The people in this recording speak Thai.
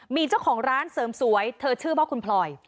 มีเจ้าของร้านเสริมสวยเธอชื่อว่าคุณพลอย